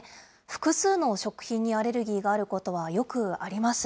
複数の食品にアレルギーがあることはよくあります。